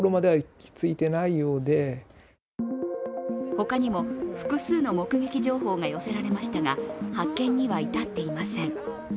他にも複数の目撃情報が寄せられましたが発見には至っていません。